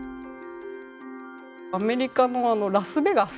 アメリカのあのラスベガス。